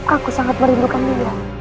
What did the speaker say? aku sangat merindukanmu